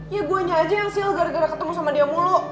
ya guenya aja yang sil gara gara ketemu sama dia mulu